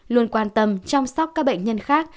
luôn quan tâm chăm sóc các bệnh nhân khác